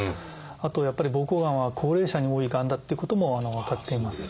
あとやっぱり膀胱がんは高齢者に多いがんだっていうことも分かっています。